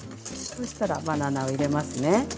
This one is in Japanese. そうしたらバナナを入れますね。